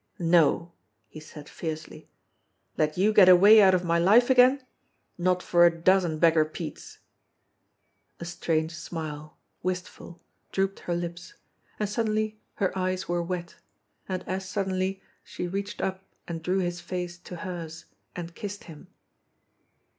"No !" he said fiercely. "Let you get away out of my litv again? Not for a dozen Beggar Petes!" A strange smile, wistful, drooped her lips; and suddenly THE PANELLED WALL 123 her eyes were wet ; and as suddenly she reached up and drew his face to hers and kissed him.